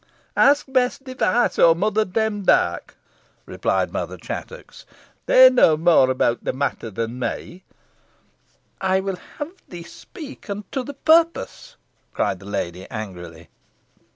"Ask Bess Device, or Mother Demdike," replied Mother Chattox; "they know more about the matter than me." "I will have thee speak, and to the purpose," cried the lady, angrily.